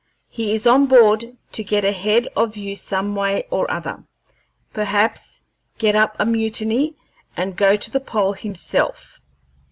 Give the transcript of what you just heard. He is on board to get ahead of you some way or other perhaps get up a mutiny and go to the pole himself.